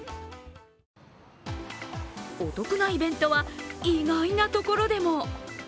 お得なイベントは意外なところでも。